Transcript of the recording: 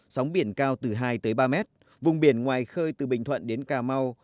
sóng biển cao từ hai ba m vùng biển ngoài khơi từ bình thuận đến cà mau